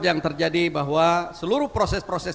yang terjadi bahwa seluruh proses proses